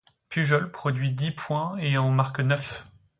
Pujols produit dix points et en marque neuf.